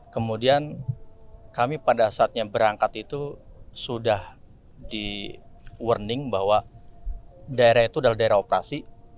kemudian kami pada saatnya berangkat itu sudah di warning bahwa daerah itu adalah daerah operasi